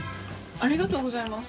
ありがとうございます。